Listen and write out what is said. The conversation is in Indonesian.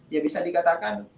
ya bisa dikatakan